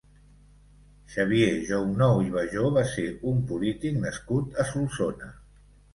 Xavier Jounou i Bajo va ser un polític nascut a Solsona.